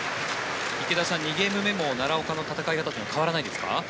池田さん、２ゲーム目も奈良岡の戦い方というのは変わらないですか？